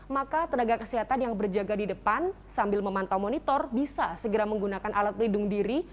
maka tenaga kesehatan yang berjaga di depan sambil memantau monitor bisa segera menggunakan alat pelindung diri